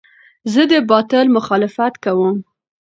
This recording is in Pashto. زه د باطل مخالفت کوم.